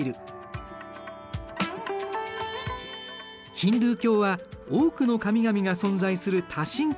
ヒンドゥー教は多くの神々が存在する多神教。